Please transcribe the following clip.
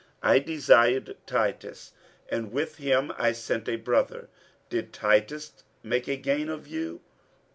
47:012:018 I desired Titus, and with him I sent a brother. Did Titus make a gain of you?